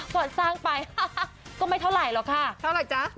สร้างไปก็ไม่เท่าไหร่หรอกค่ะเท่าไหร่จ๊ะ